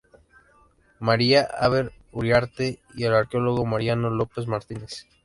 María Haber Uriarte y el arqueólogo Mariano López Martínez.